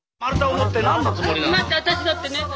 待って私だってね。